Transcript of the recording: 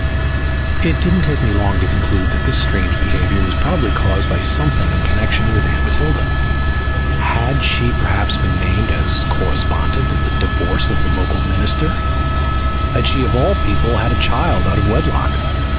It didn't take me long to conclude that this strange behavior was probably caused by something in connection with Aunt Matilda. Had she perhaps been named as corespondent in the divorce of the local minister? Had she, of all people, had a child out of wedlock?